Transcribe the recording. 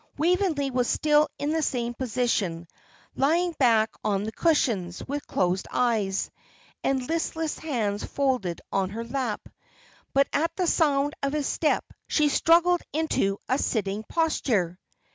Waveney was still in the same position, lying back on the cushions, with closed eyes, and listless hands folded on her lap. But at the sound of his step, she struggled into a sitting posture.